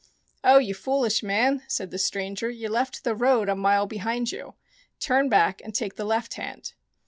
"Oh, you foolish man," said the stianger; "you left the road a mile behind you. Turn back and take the left hand."